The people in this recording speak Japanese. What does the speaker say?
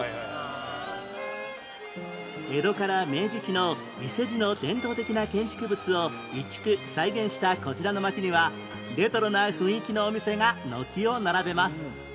江戸から明治期の伊勢路の伝統的な建築物を移築再現したこちらの街にはレトロな雰囲気のお店が軒を並べます